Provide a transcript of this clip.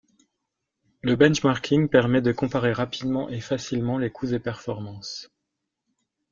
Le benchmarking permet de comparer rapidement et facilement les coûts et performances.